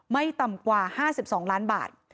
ไม่ต่ำกว่า๕๒ล้านบาท